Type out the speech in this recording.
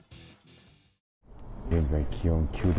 現在気温９度。